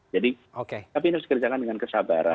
jadi tapi ini harus dikerjakan dengan kesabaran